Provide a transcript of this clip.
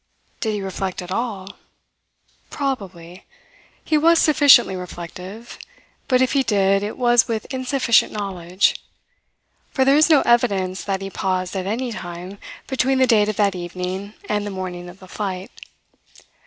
Did he reflect at all? Probably. He was sufficiently reflective. But if he did, it was with insufficient knowledge. For there is no evidence that he paused at any time between the date of that evening and the morning of the flight.